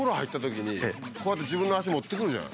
こうやって自分の足持ってくるじゃない。